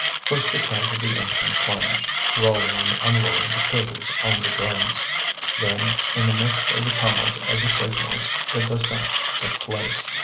First the crank of the engine plunged, rolling and unrolling the cables on the drums. Then, in the midst of the tumult of the signals, the descent took place.